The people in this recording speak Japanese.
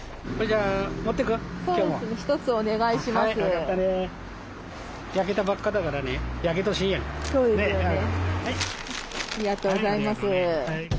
ありがとうございます。